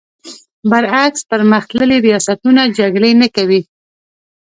برعکس پر مختللي ریاستونه جګړې نه کوي.